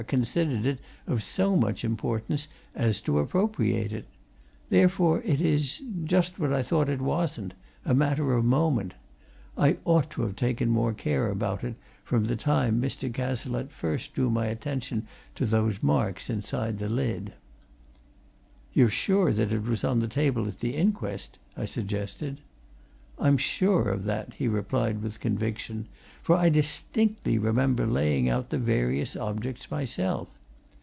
considered it of so much importance as to appropriate it. Therefore, it is just what I thought it wasn't a matter of moment. I ought to have taken more care about it, from the time Mr. Cazalette first drew my attention to those marks inside the lid." "You're sure that it was on the table at the inquest?" I suggested. "I'm sure of that," he replied with conviction, "for I distinctly remember laying out the various objects myself.